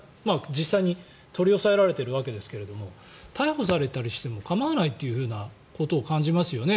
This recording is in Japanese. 実際に取り押さえられているわけですが逮捕されたりしても構わないということを感じますよね。